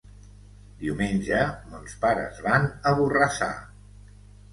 Diumenge mons pares van a Borrassà.